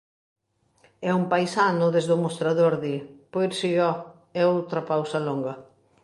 E un paisano, desde o mostrador di: "Pois si, ho..." e outra pausa longa.